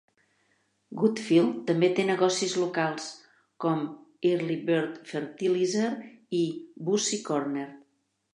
Goodfield també té negocis locals, com "Early Bird Fertilizer" i "Busy Corner".